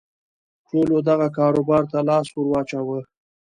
ټولو دغه کاروبار ته لاس ور واچاوه.